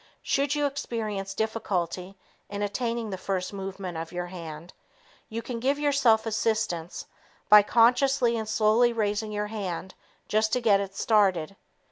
Should you experience difficulty in attaining the first movement of your hand, you can give yourself assistance by consciously and slowly raising your hand just to get it started.